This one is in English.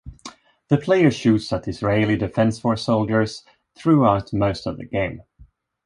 The player shoots at Israeli Defense Force soldiers throughout most of the game.